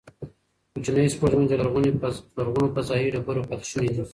کوچنۍ سپوږمۍ د لرغونو فضايي ډبرو پاتې شوني دي.